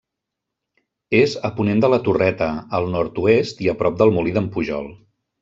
És a ponent de la Torreta, al nord-oest i a prop del Molí d'en Pujol.